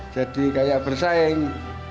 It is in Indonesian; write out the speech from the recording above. jadi kayak bersaing